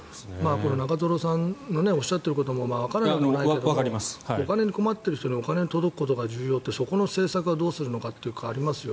中空さんのおっしゃっていることもわからなくはないけどお金に困っている人にお金が届くことが重要ってそこの政策はどうするのかってありますよ。